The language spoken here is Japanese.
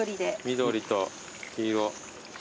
緑と黄色。